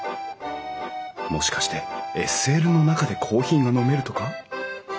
もしかしてＳＬの中でコーヒーが飲めるとか？